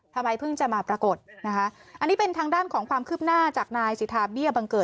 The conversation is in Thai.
ทำไมเพิ่งจะมาปรากฏนะคะอันนี้เป็นทางด้านของความคืบหน้าจากนายสิทธาเบี้ยบังเกิด